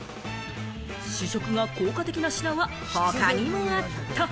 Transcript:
試食が効果的な品は他にもあった。